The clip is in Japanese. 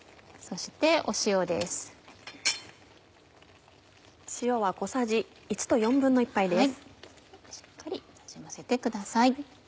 しっかりなじませてください。